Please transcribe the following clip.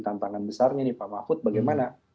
tantangan besarnya nih pak mahfud bagaimana